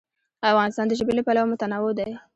افغانستان د ژبې له پلوه متنوع دی.